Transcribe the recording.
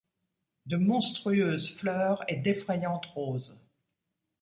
De monstrueuses fleurs et d'effrayantes roses :